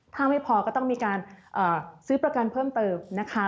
ถ้าไม่พอก็ต้องมีการซื้อประกันเพิ่มเติมนะคะ